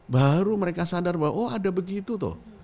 baru mereka sadar bahwa oh ada begitu tuh